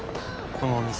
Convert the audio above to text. このお店。